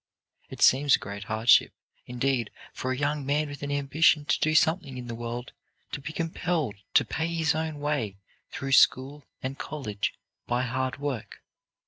It seems a great hardship, indeed, for a young man with an ambition to do something in the world to be compelled to pay his own way through school and college by hard work.